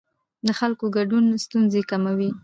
د خلکو ګډون ستونزې کموي